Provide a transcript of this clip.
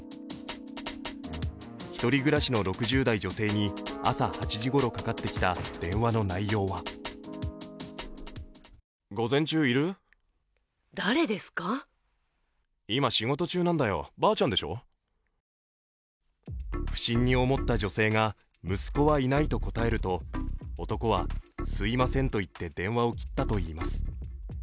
１人暮らしの６０代女性に朝８時ごろかかってきた電話の内容は不審に思った女性が息子はいないと答えると男は、すいませんと言って電話を切ったといいます。